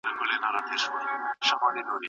څنګ ته ډاګ یې د ورکیو شنه ورشو ده